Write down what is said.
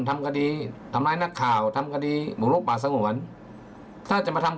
ทำคดีทำร้ายนักข่าวทำคดีบุกลุกป่าสงวนถ้าจะมาทำ